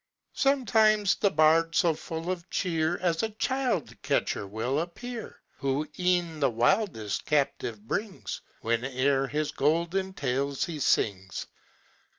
Sometimes the bard so full of cheer As a child catcher will appear, Who e'en the wildest captive brings, Whene'er his golden tales he sings.